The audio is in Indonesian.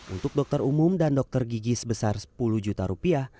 untuk dokter umum dan dokter gigi sebesar sepuluh juta rupiah